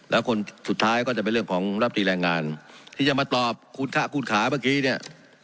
แล้วคนสุดท้ายก็จะเป็นเรื่องของรับตีแรงงานที่จะมาตอบคุณคะคุณขาเมื่อกี้เนี่ย